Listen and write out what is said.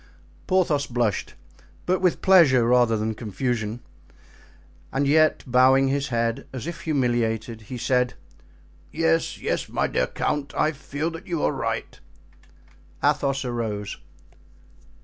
Porthos blushed, but with pleasure rather than with confusion; and yet, bowing his head, as if humiliated, he said: "Yes, yes, my dear count, I feel that you are right." Athos arose.